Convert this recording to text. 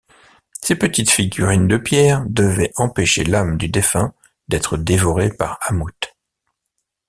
Ces petites figurines de pierre devaient empêcher l'âme du défunt d'être dévorée par Ammout.